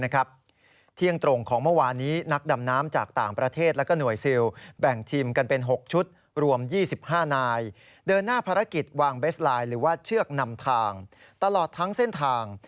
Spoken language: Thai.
๑๕นายเดินหน้าภารกิจวางเบสไลน์หรือว่าเชือกนำทางตลอดทั้งเส้นทาง